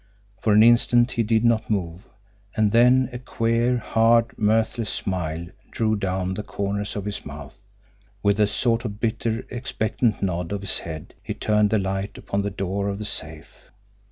For an instant he did not move, and then a queer, hard, mirthless smile drew down the corners of his mouth. With a sort of bitter, expectant nod of his head, he turned the light upon the door of the safe.